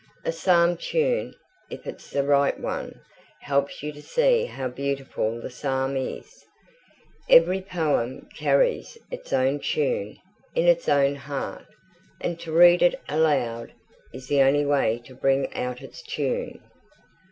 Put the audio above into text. A psalm tune, if it's the right one, helps you to see how beautiful the psalm is. Every poem carries its own tune in its own heart, and to read it aloud is the only way to bring out its tune."